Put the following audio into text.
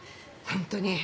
本当に。